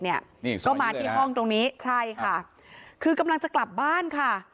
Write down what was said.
นี่อีกซ้อนนี้เลยนะครับใช่ค่ะคือกำลังจะกลับบ้านค่ะ